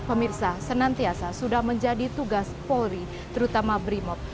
pemirsa senantiasa sudah menjadi tugas polri terutama brimob